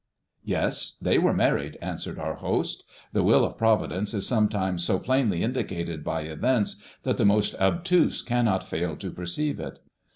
"Yes; they were married," answered our host. "The will of Providence is sometimes so plainly indicated by events that the most obtuse cannot fail to perceive it.